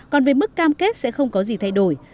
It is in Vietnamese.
còn về mức cam kết sẽ không có gì thay đổi